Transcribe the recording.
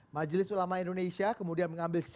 majelis ulama indonesia kemudian mengambil sikap